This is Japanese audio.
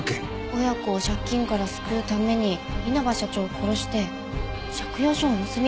親子を借金から救うために稲葉社長を殺して借用書を盗み出した？